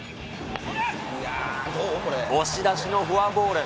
押し出しのフォアボール。